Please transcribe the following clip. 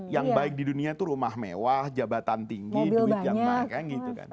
yang baik di dunia itu rumah mewah jabatan tinggi duit yang banyak